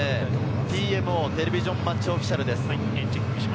ＴＭＯ＝テレビジョン・マッチ・オフィシャルです。